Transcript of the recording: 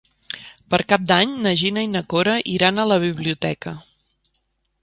Per Cap d'Any na Gina i na Cora iran a la biblioteca.